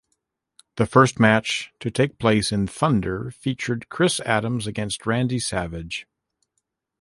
The first match to take place in "Thunder" featured Chris Adams against Randy Savage.